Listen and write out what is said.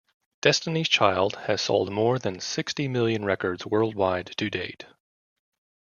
Destiny's Child has sold more than sixty million records worldwide to date.